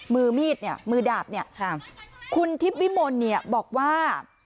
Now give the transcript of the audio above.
มือมีดเนี่ยมือดาบเนี่ยคุณทิพย์วิมลเนี่ยบอกว่า